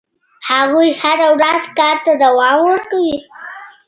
هغوی هره ورځ کار ته دوام ورکوي.